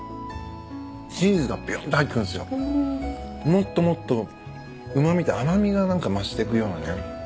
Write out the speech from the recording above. もっともっとうま味と甘味が何か増してくようなね。